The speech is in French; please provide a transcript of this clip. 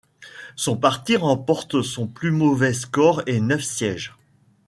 Son parti remporte son plus mauvais score et neuf sièges.